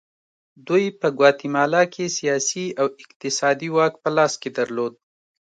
دوی په ګواتیمالا کې سیاسي او اقتصادي واک په لاس کې درلود.